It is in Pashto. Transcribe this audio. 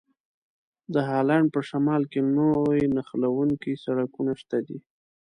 د هالند په شمال کې لوی نښلوونکي سړکونه شته دي.